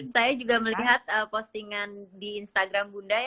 saya juga melihat postingan di instagram bunda